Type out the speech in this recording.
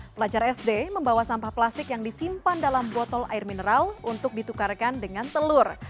pelajar sd membawa sampah plastik yang disimpan dalam botol air mineral untuk ditukarkan dengan telur